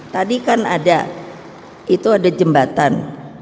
tadi kan ada itu ada jembatan